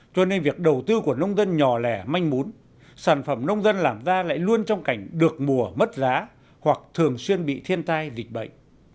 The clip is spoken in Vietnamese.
cho nên việc đầu tư của nông dân nhỏ lẻ manh mún sản phẩm nông dân làm ra lại luôn trong cảnh được mùa mất giá hoặc thường xuyên bị thiên tai dịch bệnh